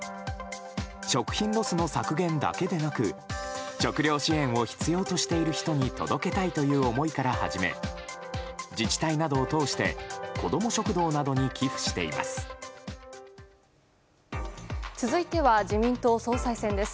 食品ロスの削減だけでなく食料支援を必要としている人に届けたいという思いから始め自治体などを通してこども食堂などに寄付しています。